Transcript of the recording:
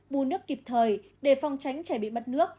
bù nước kịp thời để phong tránh trẻ bị mất nước